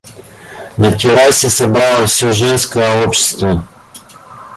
На террасе собралось всё женское общество.